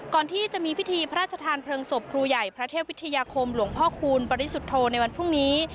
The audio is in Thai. ก่อนที่จะมีพิธีพระราชทานเพลิงศพครูใหญ่พระเทพวิทยาคมหลวงพ่อคูณปริสุทธโธในวันพรุ่งนี้